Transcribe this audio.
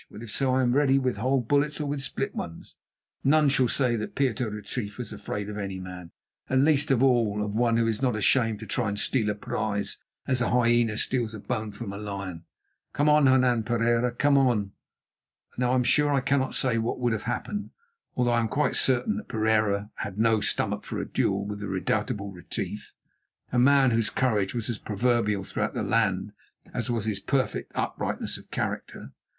Well, if so I am ready with whole bullets or with split ones. None shall say that Pieter Retief was afraid of any man, and, least of all, of one who is not ashamed to try to steal a prize as a hyena steals a bone from a lion. Come on, Hernan Pereira, come on!" Now, I am sure I cannot say what would have happened, although I am quite certain that Pereira had no stomach for a duel with the redoubtable Retief, a man whose courage was as proverbial throughout the land as was his perfect uprightness of character.